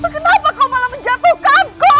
kenapa kau malah menjatuhkan ku